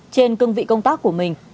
trên cương vị công tác của mình